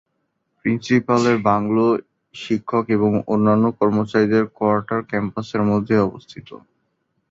প্রিন্সিপ্যাল-এর bungalow, শিক্ষক এবং অন্যান্য কর্মচারীদের কোয়ার্টার ক্যাম্পাসের মধ্যেই অবস্থিত।